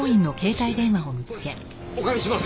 これお借りします。